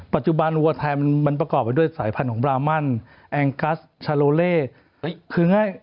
ปัจจุบันวัวไทยมันประกอบไปด้วยสายพันธุ์ของบรามันแองกัสชาโลเล่คือง่าย